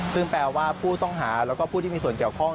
ซึ่งแปลว่าผู้ต้องหาแล้วก็ผู้ที่มีส่วนเกี่ยวข้อง